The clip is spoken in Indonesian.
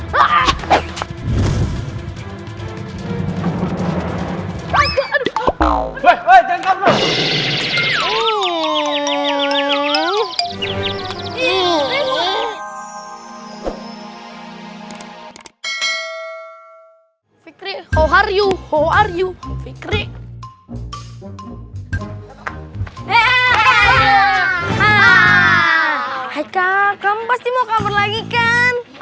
hai kau kamu pasti mau kabur lagi kan